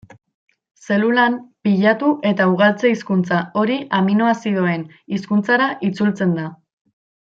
Zelulan, pilatu eta ugaltze hizkuntza hori aminoazidoen hizkuntzara itzultzen da.